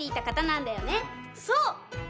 そう！